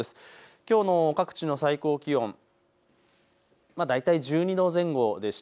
きょうの各地の最高気温、大体１２度前後でした。